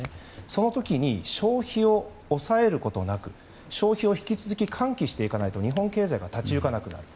その時に消費を抑えることなく消費を引き続き喚起していかないと日本経済が立ち行かなくなる。